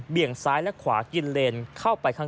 ซ้ายและขวากินเลนเข้าไปข้าง